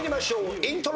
イントロ。